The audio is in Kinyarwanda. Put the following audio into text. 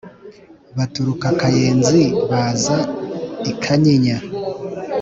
Baturuka Kayenzi, baza i Kanyinya;